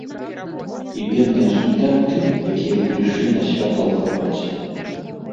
І бедныя студэнты, якія прыйшлі на свята ў халаце.